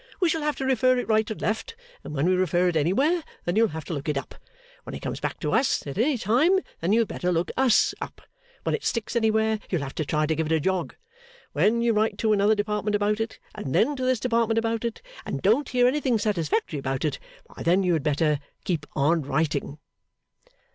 We shall have to refer it right and left; and when we refer it anywhere, then you'll have to look it up. When it comes back to us at any time, then you had better look us up. When it sticks anywhere, you'll have to try to give it a jog. When you write to another Department about it, and then to this Department about it, and don't hear anything satisfactory about it, why then you had better keep on writing.